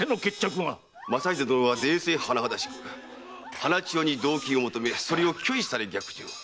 正秀殿は泥酔はなはだしく花千代に同衾を求めそれを拒否され逆上。